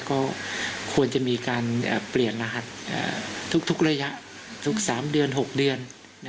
ก็ควรจะมีการเปลี่ยนรหัสทุกระยะทุก๓เดือน๖เดือน